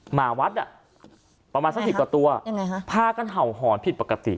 หมาวัดอ่ะประมาณสักสิบกว่าตัวยังไงฮะพากันเห่าหอนผิดปกติ